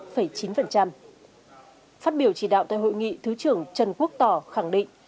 phát biểu chỉ đạo tại hội nghị thứ trưởng trần quốc tỏ khẳng định